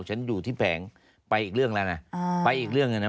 ฉันอยู่ที่แผงไปอีกเรื่องแล้วนะไปอีกเรื่องหนึ่งนะ